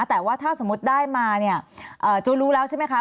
แต่ว่าถ้าสมมุติได้มาเนี่ยจู้รู้แล้วใช่ไหมคะ